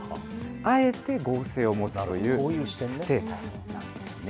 あえて合成を持つというステータスなんですね。